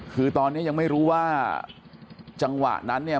คือตอนนี้ยังไม่รู้ว่าจังหวะนั้นเนี่ย